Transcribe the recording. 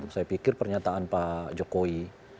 saya pikir pernyataan pak jokowi